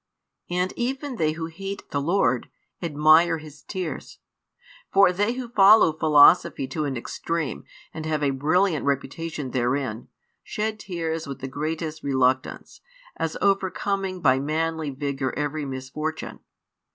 And even they who hate the Lord, admire His tears. For they who follow philosophy to an extreme and have a brilliant reputation therein, shed tears with the greatest reluctance, as overcoming by manly vigour every misfortune.